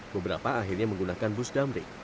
beberapa akhirnya menggunakan bus damrik